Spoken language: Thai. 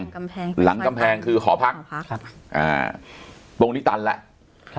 กำแพงหลังกำแพงคือหอพักหอพักครับอ่าตรงนี้ตันแล้วครับ